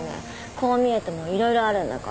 こう見えても色々あるんだから。